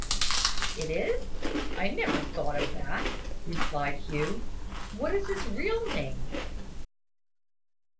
"Is it? I never thought of that," replied Hugh. "What is his real name?"